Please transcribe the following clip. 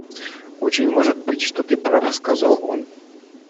Очень может быть, что ты прав, — сказал он.